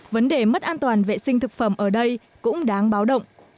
vấn đề mất an toàn vệ sinh thực phẩm ở đây cũng đáng báo động